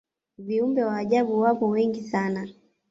viumbe wa ajabu wapo wengi sana